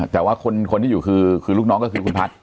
แต่ว่าคนที่อยู่คือลูกน้องก็คือคุณพัฒน์